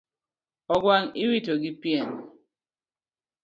Ogwangiwito gi piene